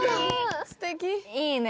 いいね